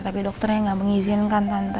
tapi dokternya nggak mengizinkan tante